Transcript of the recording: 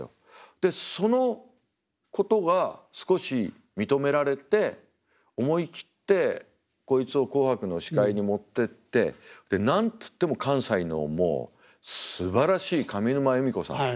でそのことが少し認められて思い切ってこいつを「紅白」の司会に持ってって何つっても関西のもうすばらしい上沼恵美子さんねっ。